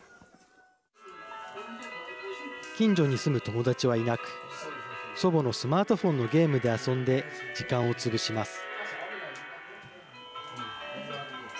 近所に住む友達はいなく祖母のスマートフォンのゲームで遊んで時間をつぶします。